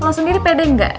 lo sendiri pede gak